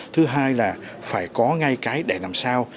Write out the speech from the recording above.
thứ hai là phải có ngay cái để làm sao